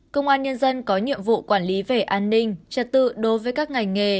công an nhân dân có nhiệm vụ quản lý về an ninh trật tự đối với các ngành nghề